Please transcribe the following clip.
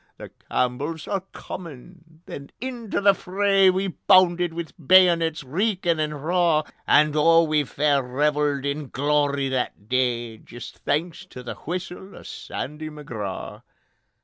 'The Campbells are Comin'': Then into the fray We bounded wi' bayonets reekin' and raw, And oh we fair revelled in glory that day, Jist thanks to the whistle o' Sandy McGraw. ..